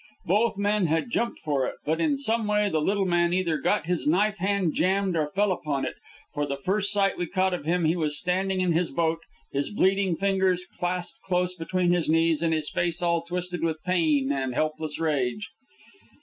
Both men had jumped for it, but in some way the little man either got his knife hand jammed or fell upon it, for the first sight we caught of him, he was standing in his boat, his bleeding fingers clasped close between his knees and his face all twisted with pain and helpless rage.